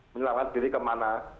menyelamatkan diri kemana